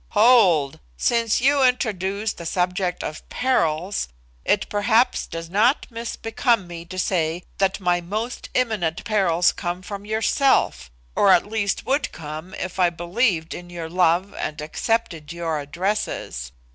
"Hold! Since you introduce the subject of perils, it perhaps does not misbecome me to say that my most imminent perils come from yourself, or at least would come if I believed in your love and accepted your addresses.